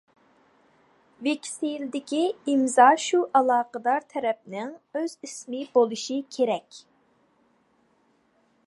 ۋېكسېلدىكى ئىمزا شۇ ئالاقىدار تەرەپنىڭ ئۆز ئىسمى بولۇشى كېرەك.